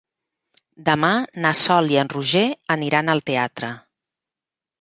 Demà na Sol i en Roger aniran al teatre.